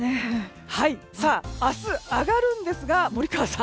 明日、上がるんですが森川さん